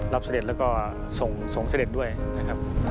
เสด็จแล้วก็ส่งเสด็จด้วยนะครับ